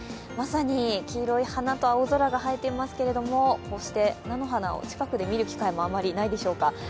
まさに黄色い花と青空が映えていますけれども、こうして菜の花を近くで見る機会もあまりないでしょうか。